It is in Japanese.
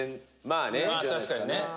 「まあ確かにね」